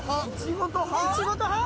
イチゴと歯？